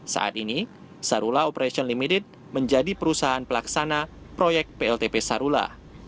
saat ini sarula operation limited menjadi perusahaan pelaksana proyek pltp sarula